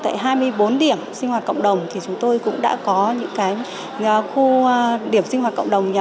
tại hai mươi bốn điểm sinh hoạt cộng đồng thì chúng tôi cũng đã có những cái khu điểm sinh hoạt cộng đồng nhà